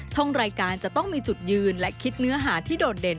ช่องรายการจะต้องมีจุดยืนและคิดเนื้อหาที่โดดเด่น